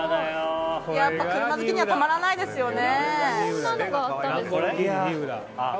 やっぱ車好きにはたまらないですよね。